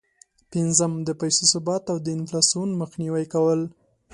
پنځم: د پیسو ثبات او د انفلاسون مخنیوی کول.